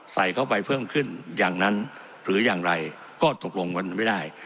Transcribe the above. ใส่เข้าไปเพิ่มขึ้นอย่างนั้นหรืออย่างไรก็ตกลงกันไม่ได้